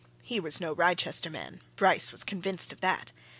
He was no Wrychester man Bryce was convinced of that.